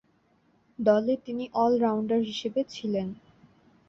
দলে তিনি অল-রাউন্ডার হিসেবে ছিলেন।